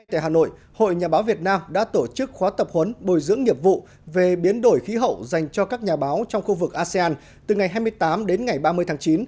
tại hà nội hội nhà báo việt nam đã tổ chức khóa tập huấn bồi dưỡng nghiệp vụ về biến đổi khí hậu dành cho các nhà báo trong khu vực asean từ ngày hai mươi tám đến ngày ba mươi tháng chín